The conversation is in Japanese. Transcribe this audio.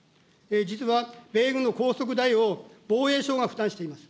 実は米軍の高速代を、防衛省が負担しています。